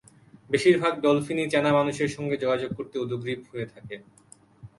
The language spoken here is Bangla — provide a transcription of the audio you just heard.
বেশির ভাগ ডলফিনই চেনা মানুষের সঙ্গে যোগাযোগ করতে উদ্গ্রীব হয়ে থাকে।